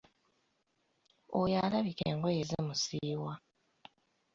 Oyo alabika engoye zimusiiwa.